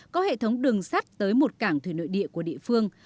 có hệ thống đường sắt tới một cảng thủy nội địa của địa phương